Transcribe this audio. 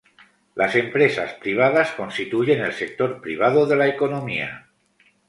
Las empresas privadas constituyen el sector privado de la economía.